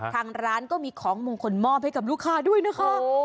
ทางร้านก็มีของมงคลมอบให้กับลูกค้าด้วยนะคะ